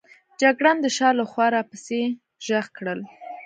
جګړن د شا له خوا را پسې ږغ کړل.